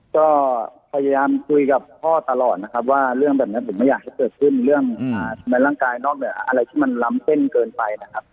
ก็พยายามคุยกับพ่อตลอดนะครับว่าเรื่องแบบนี้ผมไม่อยากให้เกิดขึ้นเรื่องในร่างกายนอกเหนืออะไรที่มันล้ำเส้นเกินไปนะครับ